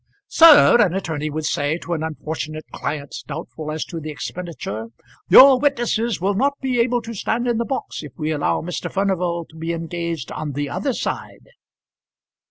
"Sir," an attorney would say to an unfortunate client doubtful as to the expenditure, "your witnesses will not be able to stand in the box if we allow Mr. Furnival to be engaged on the other side."